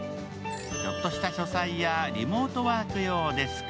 ちょっとした書斎やリモートワーク用デスク。